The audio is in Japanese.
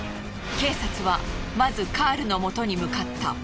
警察はまずカールのもとに向かった。